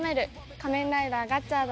「仮面ライダーガッチャード」